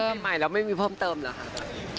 ซึ้นซ่อมใหม่แล้วไม่มีเพิ่มเติมหรือครับ